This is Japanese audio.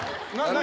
何？